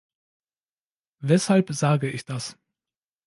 Weshalb sage ich das?